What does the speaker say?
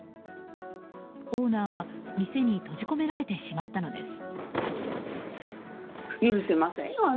オーナーは店に閉じ込められてしまったのです。